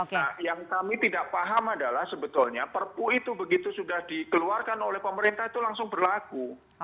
nah yang kami tidak paham adalah sebetulnya perpu itu begitu sudah dikeluarkan oleh pemerintah itu langsung berlaku